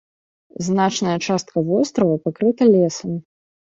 Значная частка вострава пакрыта лесам.